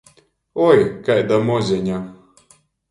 Oi, kaida mozeņa!